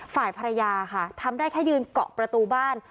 ฝ่ายภรรยาค่ะทำได้แค่ยืนเกาะประตูบ้าน